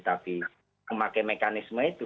tapi memakai mekanisme itu